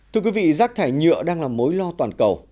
thưa quý vị rác thải nhựa đang là mối lo toàn cầu